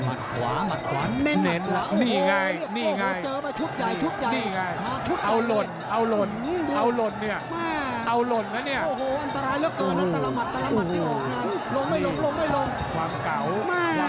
มัดขวามัดขวานินมัดขวานินนี่ไงนี่ไง